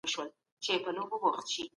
توهين کول د شخصيت کمزوري ده.